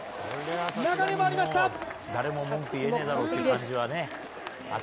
流れもありました。